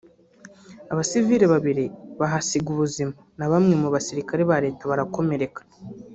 abasivile babiri bahasiga ubuzima na bamwe mu basirikare ba Leta barakomereka